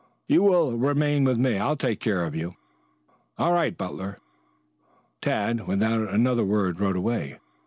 "You will remain with me. I'll take care of you. All right, Butler." Tad without another word rode away.